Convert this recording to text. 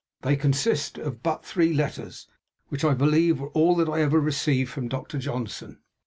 They consist but of three letters, which I believe were all that I ever received from Dr. Johnson.